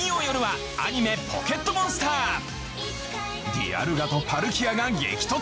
ディアルガとパルキアが激突。